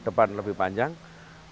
untuk berpikir lebih kepentingan